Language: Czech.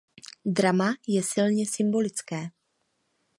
Drama je silně symbolické.